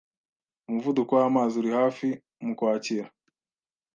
umuvuduko w'amazi uri hafi mu Kwakira